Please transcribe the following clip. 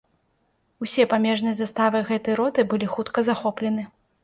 Усе памежныя заставы гэтай роты былі хутка захоплены.